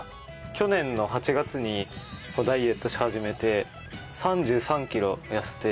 去年の８月にダイエットし始めて３３キロ痩せて。